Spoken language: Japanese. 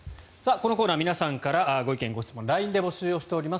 このコーナー皆さんからご意見・ご質問をＬＩＮＥで募集しています。